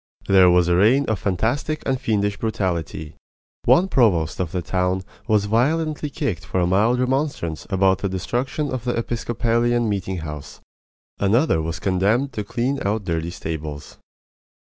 There was a reign of fantastic and fiendish brutality. One provost of the town was violently kicked for a mild remonstrance about the destruction of the Episcopalian meeting house; another was condemned to clean out dirty stables.